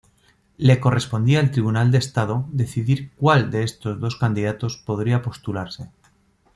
Le correspondía al Tribunal de Estado decidir cuál de estos dos candidatos podría postularse.